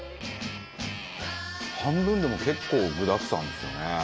半分でも結構具だくさんですよね。